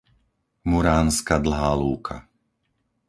Muránska Dlhá Lúka